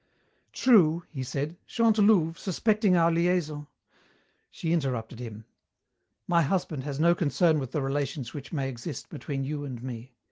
"True," he said, "Chantelouve, suspecting our liaison " She interrupted him. "My husband has no concern with the relations which may exist between you and me.